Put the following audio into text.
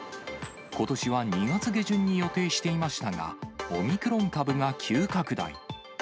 ことしは２月下旬に予定していましたが、オミクロン株が急拡大。